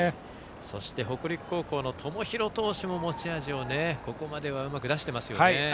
そして北陸高校の友廣投手も持ち味をここまではうまく出していますね。